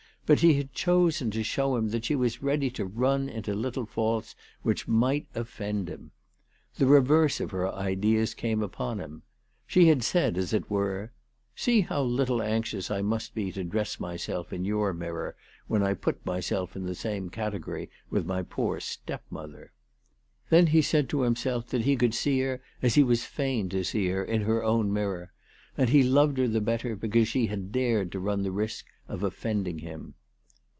But she had chosen to show him that she was ready to run into little faults which might offend him. The reverse of her ideas came upon him. She had said, as it were, "See how little anxious I must be to dress myself in your mirror when I put myself in the same category with my poor stepmother." Then he said to himself that he could see her as he was fain to see her, in her own mirror, and he loved her the better because she had dared to run the risk of offending him.